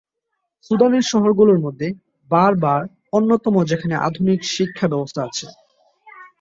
সুদানের শহর গুলোর মধ্যে বারবার অন্যতম যেখানে আধুনিক শিক্ষা ব্যবস্থা আছে।